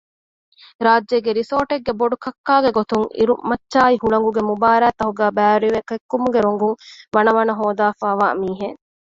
ރާއްޖޭގެ ރިސޯޓެއްގެ ބޮޑުކައްކާގެ ގޮތުން އިރުމައްޗާއި ހުޅަނގުގެ މުބާރާތްތަކުގައި ބައިވެރިވެ ކެއްކުމުގެ ރޮނގުން ވަނަވަނަ ހޯދައިފައިވާ މީހެއް